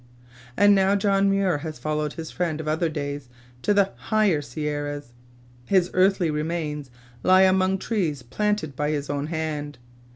And now John Muir has followed his friend of other days to the "higher Sierras." His earthly remains lie among trees planted by his own hand.